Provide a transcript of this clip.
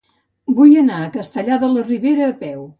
Vull anar a Castellar de la Ribera a peu.